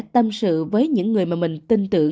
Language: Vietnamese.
tâm sự với những người mà mình tin tưởng